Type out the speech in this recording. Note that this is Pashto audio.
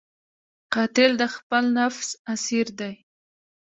قاتل د خپل نفس اسیر دی